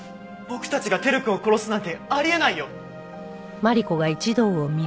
僕たちが輝くんを殺すなんてあり得ないよ！